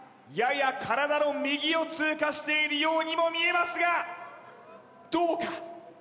やや体の右を通過しているようにも見えますがどうか？